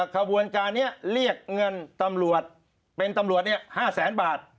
ความวนการนี้เรียกเงินเป็นตำรวจนี่๕๐๐๐๐๐บาท